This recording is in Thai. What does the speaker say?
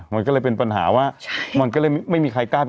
มันก็เลยเป็นปัญหาว่า